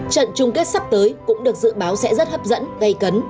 trận chung kết sắp tới cũng được dự báo sẽ rất hấp dẫn gây cấn